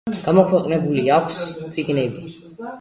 გამოქვეყნებული აქვს წიგნები.